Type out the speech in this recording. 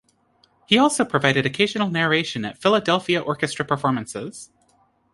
He also provided occasional narration at Philadelphia Orchestra performances.